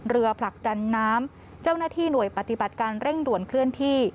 ผลักดันน้ำเจ้าหน้าที่หน่วยปฏิบัติการเร่งด่วนเคลื่อนที่